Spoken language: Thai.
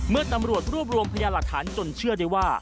เมื่อตำรวจรวบรวมพยาหลักฐานจนเชื่อได้ว่า